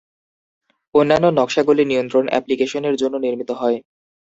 অন্যান্য নকশাগুলি নিয়ন্ত্রণ অ্যাপ্লিকেশনের জন্য নির্মিত হয়।